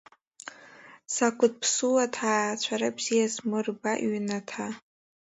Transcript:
Закәытә ԥсуа ҭаацәара бзиаз Смырба иҩнаҭа!